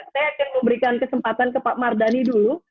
saya akan memberikan kesempatan ke pak mardhani dulu